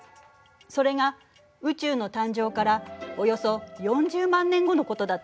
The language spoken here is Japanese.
それが宇宙の誕生からおよそ４０万年後のことだったのね。